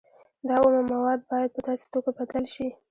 دا اومه مواد باید په داسې توکو بدل شي